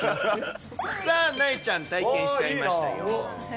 さあ、なえちゃん、体験しちゃいましたよ。